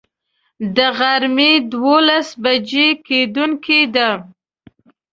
د غرمي دولس بجي کیدونکی دی